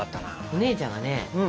お姉ちゃんがね